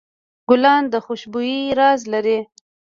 ګلان د خوشبویۍ راز لري.